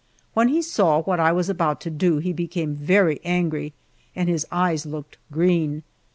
When he saw what I was about to do he became very angry and his eyes looked green.